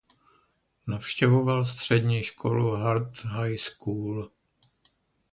Navštěvoval střední školu Hart High School.